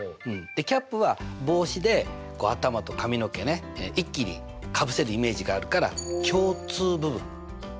∩は帽子で頭と髪の毛ね一気にかぶせるイメージがあるから共通部分ね。